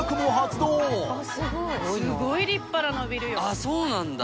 あぁそうなんだ。